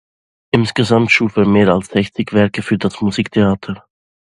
Insgesamt schuf er mehr als sechzig Werke für das Musiktheater.